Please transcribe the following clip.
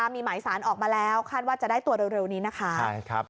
มีหมายสารออกมาแล้วคาดว่าจะได้ตัวเร็วนี้นะคะ